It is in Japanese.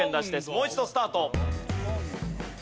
もう一度スタート。